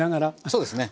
そうですね。